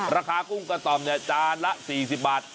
กุ้งกระต่อมเนี่ยจานละ๔๐บาท